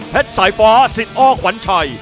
สายฟ้าสิทธิ์อ้อขวัญชัย